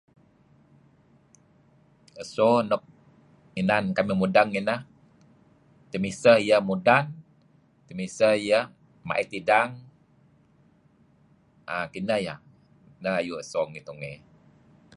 Eso nuk inan kamih mudeng ineh temiseh iyeh mudan temiseh iyeh ma'it idang err kineh iyeh, kineh ayu' so ngi tungey.